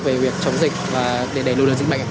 về việc chống dịch và để đẩy lùi được dịch bệnh